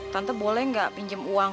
tante boleh gak pinjem uang